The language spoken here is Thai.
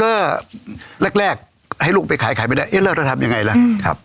คือแรกให้ลูกไปขายถึงถามยังไงแล้ว